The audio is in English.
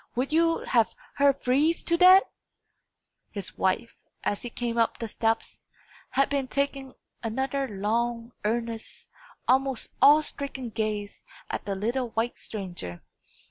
Would you have her freeze to death?" His wife, as he came up the steps, had been taking another long, earnest, almost awe stricken gaze at the little white stranger.